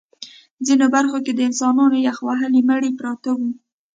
ځینو برخو کې د انسانانو یخ وهلي مړي پراته وو